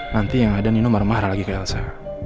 nanti yang ada nino marah lagi ke elsa